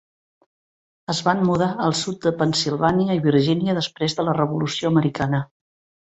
Es van mudar al sud de Pennsilvània i Virgínia després de la Revolució Americana.